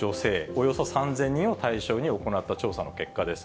およそ３０００人を対象に行った調査の結果です。